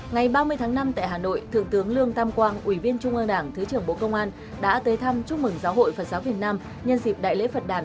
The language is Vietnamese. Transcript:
ngày ba mươi tháng năm tại hà nội thượng tướng lương tam quang ủy viên trung ương đảng thứ trưởng bộ công an đã tới thăm chúc mừng giáo hội phật giáo việt nam nhân dịp đại lễ phật đàn hai nghìn hai mươi ba